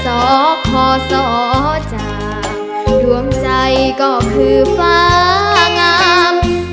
สอบคอสอบจากร่วมใจก็คือฟ้างาม